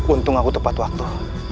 untung aku tepat waktu